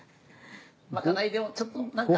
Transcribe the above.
まかないでもちょっとなんか。